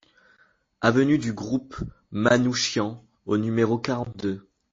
Avenue du Groupe Manouchian au numéro quarante-deux